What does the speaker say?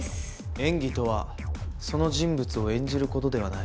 演技とはその人物を演じることではない。